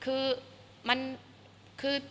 คือมันคือ